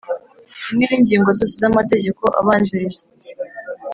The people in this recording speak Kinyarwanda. kimwe n ingingo zose z amategeko abanziriza